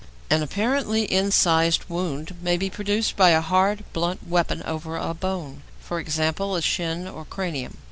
An apparently incised wound may be produced by a hard, blunt weapon over a bone e.g., shin or cranium.